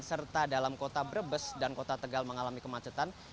serta dalam kota brebes dan kota tegal mengalami kemacetan